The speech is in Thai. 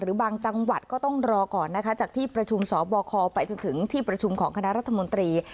หรือบางจังหวัดก็ต้องรอก่อนนะคะจากที่ประชุมสบคไปจนถึงที่ประชุมของคณะรัฐมนตรี